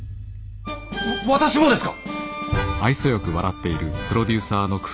わ私もですか！？